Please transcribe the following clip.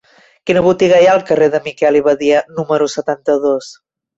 Quina botiga hi ha al carrer de Miquel i Badia número setanta-dos?